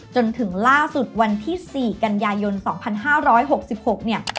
จนถึงล่าสุดวันที่๔กันยายน๒๕๖๖เนี่ย